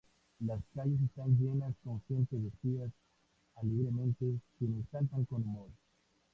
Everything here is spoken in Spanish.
Las calles están llenas con gentes vestidas alegremente quienes saltan con humor.